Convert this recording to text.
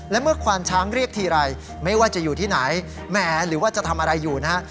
และเมื่อควานช้างเรียกทีไรไม่ว่าจะอยู่ที่ไหนแหมหรือว่าจะทำอะไรอยู่นะฮะ